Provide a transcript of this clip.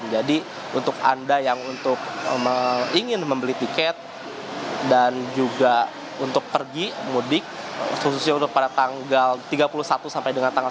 jadi untuk anda yang ingin membeli tiket dan juga untuk pergi mudik khususnya pada tanggal tiga puluh satu sampai dengan tanggal tiga puluh satu